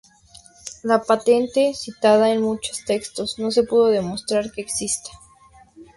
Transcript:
La patente, citada en muchos textos, no se pudo demostrar que exista.